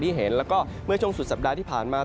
เห็นแล้วก็เมื่อช่วงสุดสัปดาห์ที่ผ่านมา